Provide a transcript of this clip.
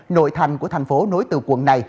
nội thành của thành phố nối từ quận này